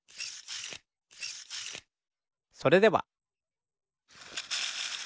それでは。